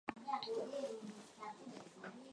mashairi yenye aya maelfu Tenzi ndefu kabisa